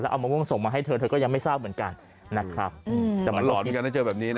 แล้วเอามะม่วงส่งมาให้เธอเธอก็ยังไม่ทราบเหมือนกันนะครับอ๋อหลอนกันนะเจอแบบนี้นะฮะ